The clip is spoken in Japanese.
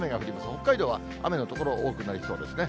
北海道は雨の所、多くなりそうですね。